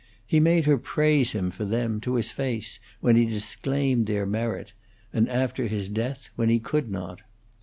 He made her praise him for them, to his face, when he disclaimed their merit, and after his death, when he could not.